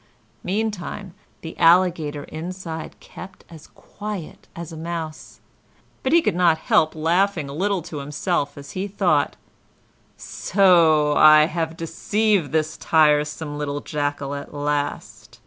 Meantime, the Alligator inside kept as quiet as a mouse, but he could not help laughing a little to himself as he thought: "So I have deceived this tiresome little Jackal at last.